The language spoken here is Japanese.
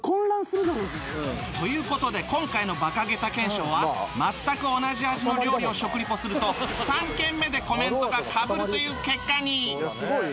という事で今回のバカ桁検証は全く同じ味の料理を食リポすると３軒目でコメントがかぶるという結果に！